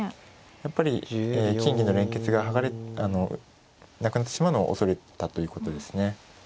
やっぱり金銀の連結がなくなってしまうのを恐れたということですね。